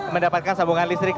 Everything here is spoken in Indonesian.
mendapatkan sambungan listrik